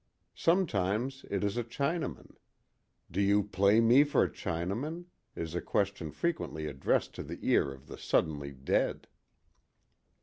Sometimes it is a Chinaman. Do you play me for a Chinaman? is a question frequently addressed to the ear of the suddenly dead.